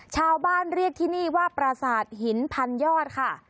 ชาวบ้านเรียกที่นี่ว่าปราสาทหินพันยอดค่ะ